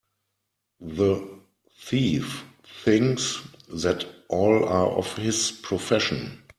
The thief thinks that all are of his profession.